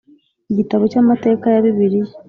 Igitabo cy’amateka ya Bibiliya